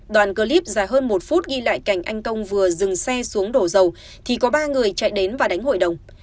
đoàn clip dài hơn một phút ghi lại cảnh anh công vừa dừng xe xuống đổ dầu thì có ba người chạy đến và đánh hội đồng